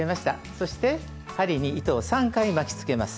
そして針に糸を３回巻きつけます。